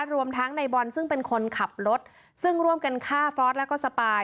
รวมทั้งในบอลซึ่งเป็นคนขับรถซึ่งร่วมกันฆ่าฟอสแล้วก็สปาย